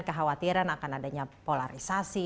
kekhawatiran akan adanya polarisasi